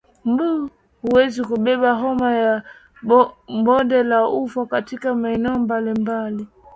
Mbu huweza kubeba homa ya bonde la ufa katika maeneo mbalimbali